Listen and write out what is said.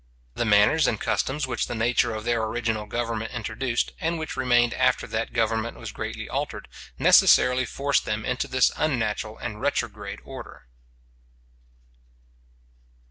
The manners and customs which the nature of their original government introduced, and which remained after that government was greatly altered, necessarily forced them into this unnatural and retrograde order.